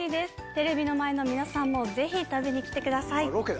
テレビの前の皆さんもぜひ食べに来てください。